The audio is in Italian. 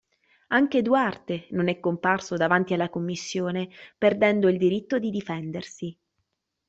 Anche Duarte non è comparso davanti alla Commissione, perdendo il diritto di difendersi.